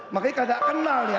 makanya kagak kenal ya